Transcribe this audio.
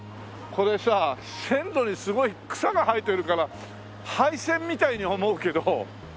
これさ線路にすごい草が生えてるから廃線みたいに思うけど別に。